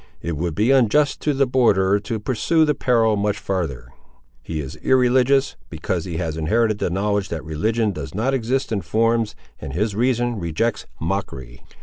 It would be unjust to the borderer to pursue the parallel much farther. He is irreligious, because he has inherited the knowledge that religion does not exist in forms, and his reason rejects mockery.